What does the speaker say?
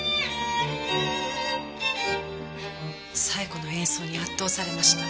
冴子の演奏に圧倒されました。